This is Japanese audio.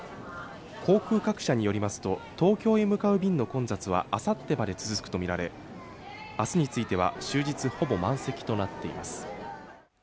航空各社によりますと、東京へ向かう便の混雑はあさってまで続くとみられ明日については、終日、ほぼ満席となっています。